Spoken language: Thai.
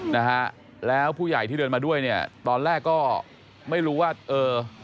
นะฮะแล้วผู้ใหญ่ที่เดินมาด้วยเนี่ยตอนแรกก็ไม่รู้ว่าเออ